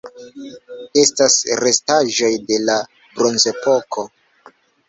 Estas restaĵoj de la Bronzepoko.